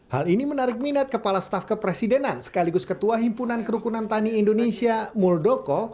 hal ini menarik minat kepala staf kepresidenan sekaligus ketua himpunan kerukunan tani indonesia muldoko